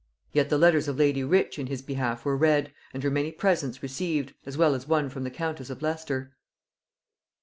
Yet the letters of lady Rich in his behalf were read, and her many presents received, as well as one from the countess of Leicester.